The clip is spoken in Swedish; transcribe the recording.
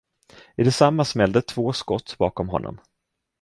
I detsamma smällde två skott bakom honom.